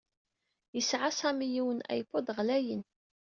Yesɛa Sami yiwen n iPod ɣlayen.